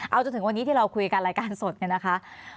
เอาจนถึงวันนี้ที่เราคุยกันรายการสดเนี่ยนะคะ